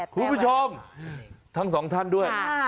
คุณผู้ชมทั้งสองท่านด้วย